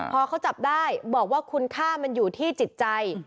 พอเขาจับได้บอกว่าคุณค่ามันอยู่ที่จิตใจ